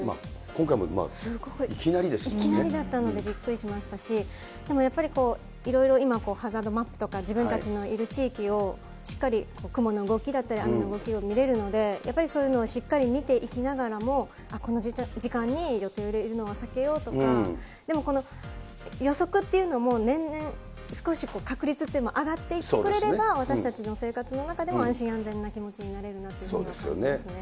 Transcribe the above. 今回もいきなりですもんね。いきなりだったので、びっくりしましたし、でもやっぱり、いろいろ、今、ハザードマップとか、自分たちのいる地域をしっかり雲の動きだったり、雨の動きを見れるので、やっぱりそういうのをしっかり見ていきながらも、この時間に予定を入れるのは避けようとか、でもこの予測っていうのも、年々、少し確率っていうのが上がっていってくれれば、私たちの生活の中でも安心安全な気持ちになれるなって感じますね。